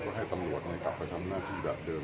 ก็ให้ตำรวจกลับไปทำหน้าที่แบบเดิม